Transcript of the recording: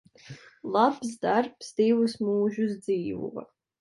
Labs darbs divus mūžus dzīvo.